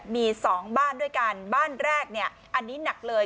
มี๒บ้านด้วยกันบ้านแรกเนี่ยอันนี้หนักเลย